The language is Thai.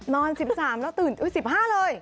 นอน๑๓แล้วตื่น๑๕เลย